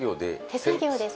手作業です